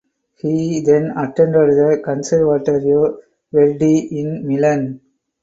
He then attended the Conservatorio Verdi in Milan.